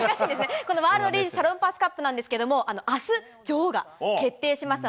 このワールドレディスサロンパスカップなんですけれども、あす、女王が決定します。